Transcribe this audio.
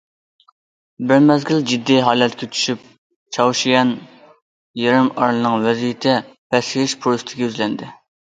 بىر مەزگىل جىددىي ھالەتكە چۈشۈپ چاۋشيەن يېرىم ئارىلىنىڭ ۋەزىيىتى پەسىيىش پۇرسىتىگە يۈزلەندى.